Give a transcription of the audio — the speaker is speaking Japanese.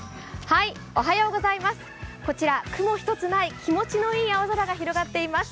こちら雲一つない気持ちのいい青空が広がっています。